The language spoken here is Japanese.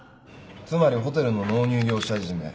つまりホテルの納入業者いじめ。